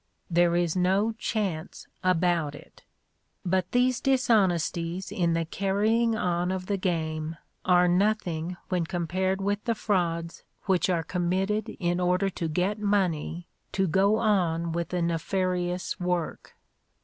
There is no chance about it. But these dishonesties in the carrying on of the game are nothing when compared with the frauds which are committed in order to get money to go on with the nefarious work.